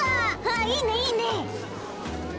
ああいいねいいね！